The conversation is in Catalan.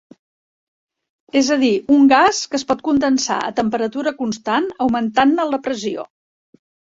És a dir, un gas que es pot condensar a temperatura constant, augmentant-ne la pressió.